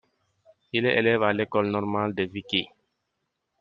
Il est élève de l'École normale de Viikki.